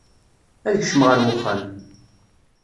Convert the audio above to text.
Ad kecmeɣ ar wexxam.